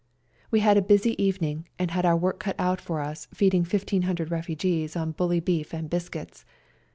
We had a busy evening, and had our work cut out for us feeding 1,500 refugees on bully beef and biscuits.